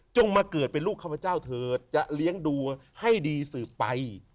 มาเกิดเป็นลูกข้าพเจ้าเถิดจะเลี้ยงดูให้ดีสืบไป